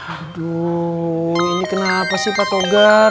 aduh ini kenapa sih pak togar